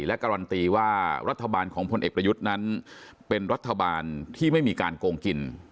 และการันตีว่ารัฐบาลของพลเอกประยุทธ์นั้นเป็นรัฐบาลที่ไม่มีการโกงกิน